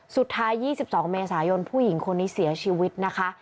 สุดท้าย๒๒เมษายนผู้หญิงคนนี้เสียชีวิตนะคะ